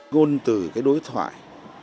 ngôn từ đối thoại